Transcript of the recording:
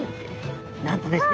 なんとですね